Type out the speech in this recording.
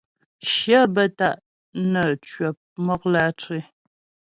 Shyə bə́ ta' nə́ mcwəp mɔk lǎtré.